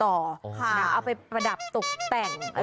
ก็จะเอาไปประดับตัดแต่ง